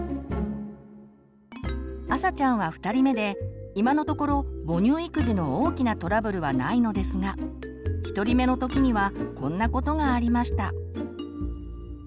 あさちゃんは２人目で今のところ母乳育児の大きなトラブルはないのですが１人目の時にはこんなことがありました。